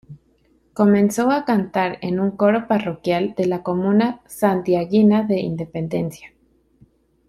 Comenzó a cantar en un coro parroquial de la comuna santiaguina de Independencia.